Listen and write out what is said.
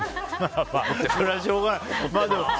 それはしょうがない。